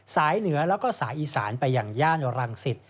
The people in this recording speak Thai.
เหนือแล้วก็สายอีสานไปอย่างย่านรังสิต